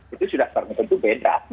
itu sudah tentu beda